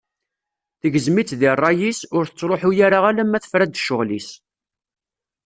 Tegzem-itt di rray-is, ur tettruḥu ara alamma tefra-d ccɣel-is.